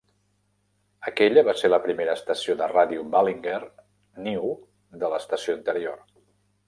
Aquella va ser la primera estació de radio Ballinger Knew de la estació anterior.